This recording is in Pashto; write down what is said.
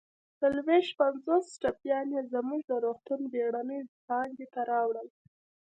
څلويښت پنځوس ټپیان يې زموږ د روغتون بېړنۍ څانګې ته راوړل